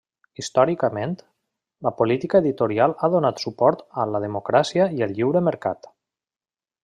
Històricament, la política editorial ha donat suport a la democràcia i el lliure mercat.